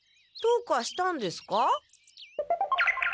どうかしたんですか？